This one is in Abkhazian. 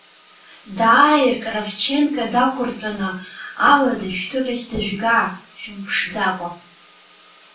Дааир, Кравченко дақәыртәаны алада шәҭыԥахь дыжәга, шәымԥшӡакәа.